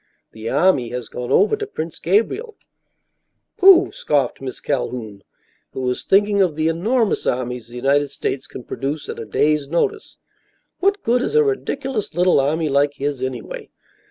The army has gone over to Prince Gabriel." "Pooh!" scoffed Miss Calhoun, who was thinking of the enormous armies the United States can produce at a day's notice. "What good is a ridiculous little army like his, anyway?